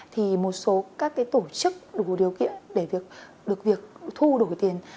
thì một số các tổ chức đủ điều kiện để được việc thu đổi tiền